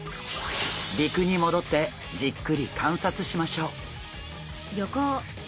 陸に戻ってじっくり観察しましょう。